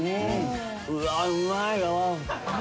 うわうまいな！